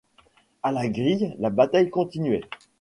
À la grille, la bataille continuait.